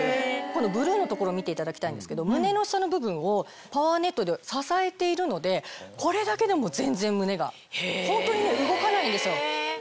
このブルーの所見ていただきたいんですけど胸の下の部分をパワーネットで支えているのでこれだけでも全然胸がホントに動かないんですよ。